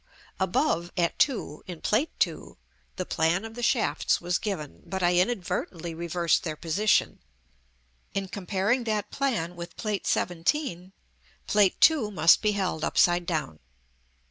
Above, at 2, in Plate II., the plan of the shafts was given, but I inadvertently reversed their position: in comparing that plan with Plate XVII., Plate II. must be held upside down.